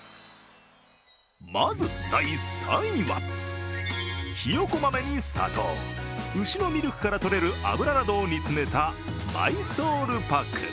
まず第３位は、ひよこ豆に砂糖牛のミルクからとれる油などを煮詰めたマイソールパク。